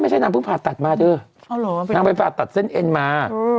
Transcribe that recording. นางเพิ่งผ่าตัดมาเถอะนางไปผ่าตัดเส้นเอ็นมา